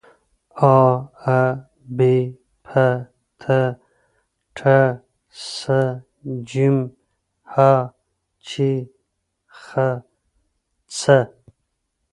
آا ب پ ت ټ ث ج ح چ خ څ